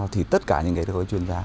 thì tất cả những cái đó có chuyên gia